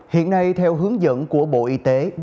hiện nay theo hướng dẫn của bộ y tế